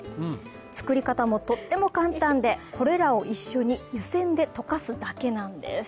作り方もとっても簡単で、これらを一緒に湯せんで溶かすだけなんです。